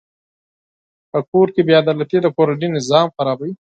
په کور کې بېعدالتي د کورنۍ نظام خرابوي.